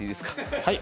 はい。